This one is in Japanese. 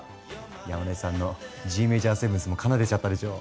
山根さんのＧメジャーセブンスも奏でちゃったでしょう？